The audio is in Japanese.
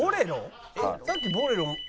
さっきボレロ。